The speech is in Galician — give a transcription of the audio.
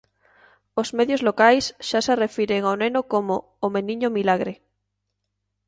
Os medios locais xa se refiren ao neno como 'o meniño milagre'.